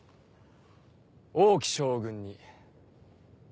王騎将軍に。